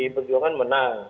di perjuangan menang